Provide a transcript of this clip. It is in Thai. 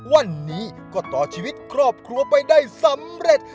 วันนี้ก็ต่อชีวิตครอบครัวไปได้สำเร็จ